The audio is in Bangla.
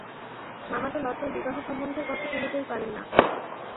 মামা তো লজ্জায় বিবাহসম্বন্ধের কথা তুলিতেই পারেন না।